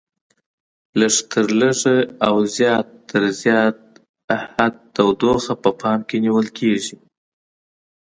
لږ تر لږه او زیات تر زیات حد تودوخه په پام کې نیول کېږي.